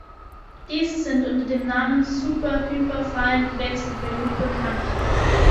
Diese sind unter dem Namen Superhyperfein-Wechselwirkung bekannt.